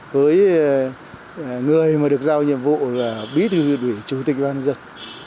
với người mà được giao nhiệm vụ là bí thư ủy chủ tịch ủy ban dân